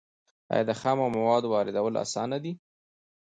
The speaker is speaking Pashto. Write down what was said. آیا د خامو موادو واردول اسانه دي؟